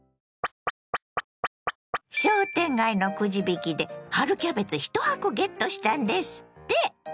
商店街のくじ引きで春キャベツ１箱ゲットしたんですって！